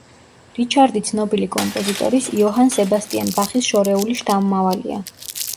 რიჩარდი ცნობილი კომპოზიტორის, იოჰან სებასტიან ბახის შორეული შთამომავალია.